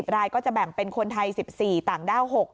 รายก็จะแบ่งเป็นคนไทย๑๔ต่างด้าว๖